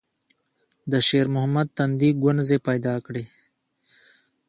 د شېرمحمد تندي ګونځې پيدا کړې.